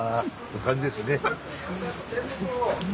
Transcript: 感じですよね。